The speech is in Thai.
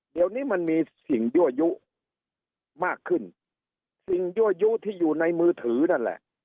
เดี๋ยวนี้มันมีสิ่งยั่วยุมากขึ้นสิ่งยั่วยุที่อยู่ในมือถือนั่นแหละ